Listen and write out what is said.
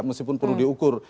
meskipun perlu diukur